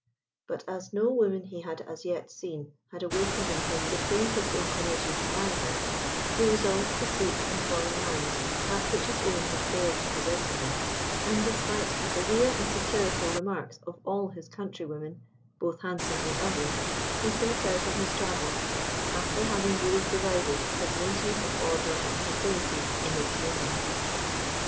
But as no woman he had as yet seen, had awakened in him the faintest inclination to marry her, he resolved to seek in foreign lands that which his own had failed to present him with, and despite the severe and satirical remarks of all his countrywomen, both handsome and ugly, he set out on his travels, after having duly provided for the maintenance of order and tranquillity in his dominions.